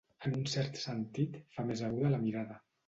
En un cert sentit, fa més aguda la mirada.